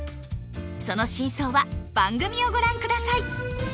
その真相は番組をご覧ください！